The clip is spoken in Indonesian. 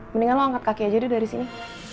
mendingan lo angkat kaki aja deh dari sini